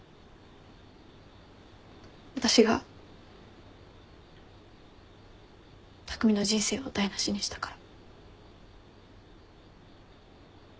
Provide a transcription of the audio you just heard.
私が匠の人生を台無しにしたから。